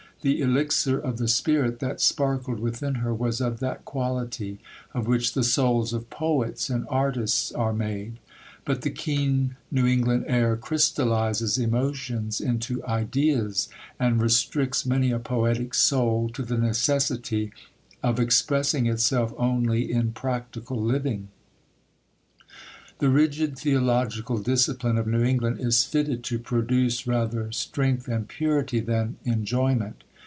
The elixir of the spirit that sparkled within her was of that quality of which the souls of poets and artists are made; but the keen New England air crystallizes emotions into ideas, and restricts many a poetic soul to the necessity of expressing itself only in practical living. The rigid theological discipline of New England is fitted to produce rather strength and purity than enjoyment.